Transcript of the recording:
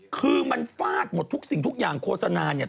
คือมันฟาดหมดทุกสิ่งทุกอย่างโฆษณาเนี่ย